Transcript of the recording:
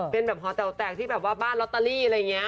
เป็นแบบหอแตลแตกที่บ้านลอตเตอรี่อะไรอย่างเงี้ย